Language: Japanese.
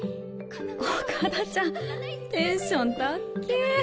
岡田ちゃんテンションたっけぇ。